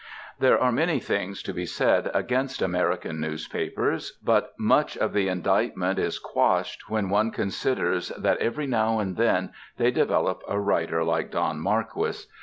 There are many things to be said against American newspapers, but much of the indictment is quashed when one considers that every now and then they develop a writer like Don Marquis.